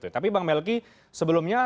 tapi bang melki sebelumnya